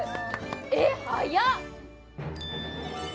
えっ早っ！